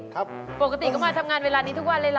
ปกติก็มาทำงานเวลานี้ทุกวันเลยเหรอ